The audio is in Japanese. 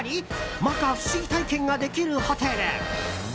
摩訶不思議体験ができるホテル。